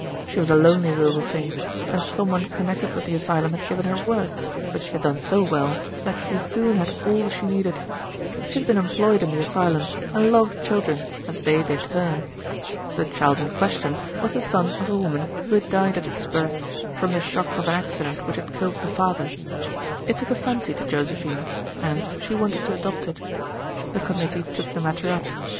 She was a lonely little thing, and some one connected with the asylum had given her work, which she had done so well that she soon had all she needed. She had been employed in the asylum, and loved children as they did her. The child in question was the son of a woman who had died at its birth, from the shock of an accident which had killed the father. It took a fancy to Josephine, and she wanted to adopt it. The committee took the matter up.